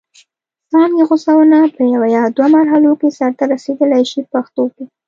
څانګې غوڅونه په یوه یا دوه مرحلو کې سرته رسیدلای شي په پښتو کې.